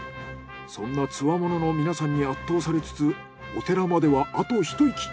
そんなツワモノの皆さんに圧倒されつつお寺まではあとひと息。